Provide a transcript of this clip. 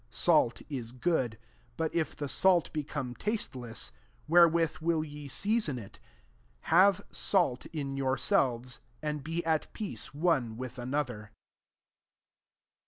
50 Salt /« good: but if the salt become tasteless, wherewith will ye season it? Have salt in yourselves ; and be at peace one with another."